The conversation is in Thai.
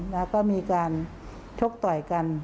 แล้วก็มีการชกต่อยกัน